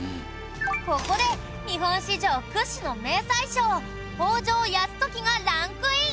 ここで日本史上屈指の名宰相北条泰時がランクイン。